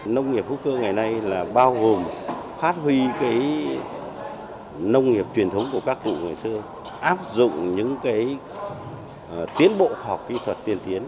nông nghiệp hữu cơ ngày nay là bao gồm phát huy cái nông nghiệp truyền thống của các cụ ngày xưa áp dụng những tiến bộ khoa học kỹ thuật tiên tiến